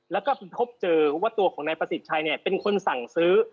แล้วก็พบเจอว่าตัวของนายประสิทธิ์ชัยเนี่ยเป็นคนสั่งซื้อ